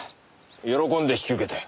喜んで引き受けたよ。